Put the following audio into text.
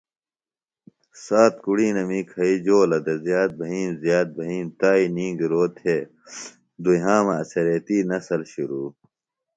سات کُڑینمی کھئیۡ جولہ دےۡ زیات بھئیِم زیات بھئیِم تائی نِگرو تھےۡ دھُیامہ اڅھریتی نسل شروۡ